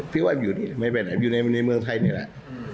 พี่ว่าอยู่นี่ไม่เป็นไรอยู่ในเมืองไทยนี่แหละ